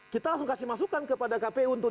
kita langsung kasih masukan kepada kpu untuk